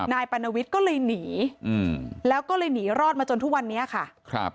นายปรณวิทย์ก็เลยหนีอืมแล้วก็เลยหนีรอดมาจนทุกวันนี้ค่ะครับ